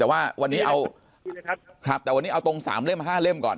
แต่วันนี้เอาตรง๓เล่ม๕เล่มก่อน